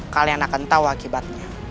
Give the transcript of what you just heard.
kalian akan tahu akibatnya